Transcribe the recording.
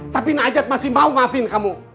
tapi najat masih mau ngafin kamu